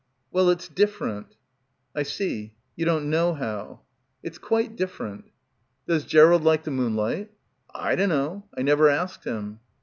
"Well, it's different." "I see. You don't know how." — 207 — PILGRIMAGE "It's quite different." "Does Gerald like the moonlight?" "I dunno. I never asked him."